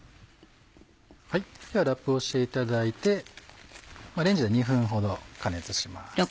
ラップをしていただいてレンジで２分ほど加熱します。